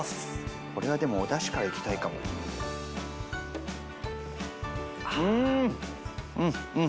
これはでもおダシからいきたいかもうんうん